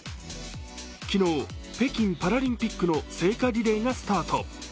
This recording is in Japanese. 昨日、北京パラリンピックの聖火リレーがスタート。